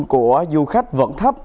của du khách vẫn thấp